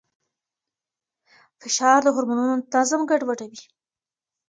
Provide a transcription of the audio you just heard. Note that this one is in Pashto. فشار د هورمونونو نظم ګډوډوي.